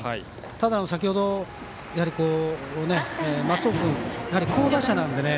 ただ先ほど、松尾君。やはり、好打者なんで。